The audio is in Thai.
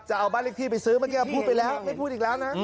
จะเอาบ้านเลขที่ไปซื้อเมื่อกี้พูดไปแล้วไม่พูดอีกแล้วนะ